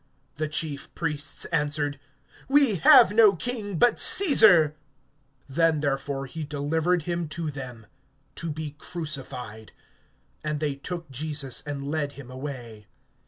The chief priests answered: We have no king but Caesar. (16)Then therefore he delivered him to them to be crucified. And they took Jesus, and led him away.